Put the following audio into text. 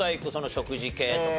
食事系とか。